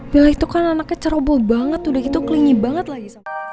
bella itu kan anaknya cerobol banget udah gitu kelingi banget lagi